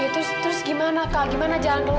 ya terus gimana kak gimana jalan keluarnya